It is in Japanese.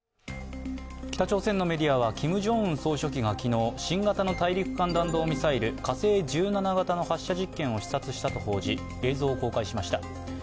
北朝鮮のメディアは、キム・ジョンウン総書記が昨日、新型の大陸間弾道ミサイル火星１７型の発射実験を視察したと報じ、映像を公開しました。